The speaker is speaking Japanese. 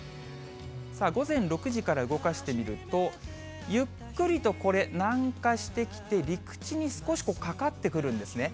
午前６時から動かしてみると、ゆっくりとこれ、南下してきて、陸地に少しかかってくるんですね。